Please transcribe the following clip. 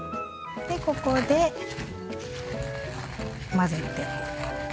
でここで混ぜて。